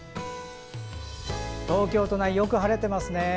東京都内よく晴れてますね。